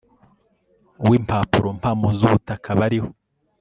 w impapurompamo z ubutaka bariho